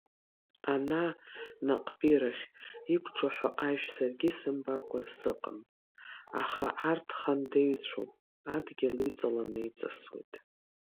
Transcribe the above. Ана наҟтәирахь иқәҿаҳәо ажә саргьы исымбакәа сыҟам, аха арҭ хандеҩцәоуп, адгьыл иҵаланы иҵысуеит.